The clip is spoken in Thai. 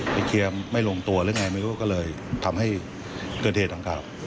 เคลียร์ไม่ลงตัวหรือไงไม่รู้ก็เลยทำให้เกิดเหตุดังกล่าว